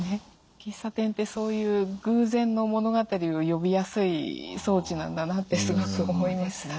喫茶店ってそういう偶然の物語を呼びやすい装置なんだなってすごく思いました。